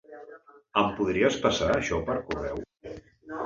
Em podries passar això per correu?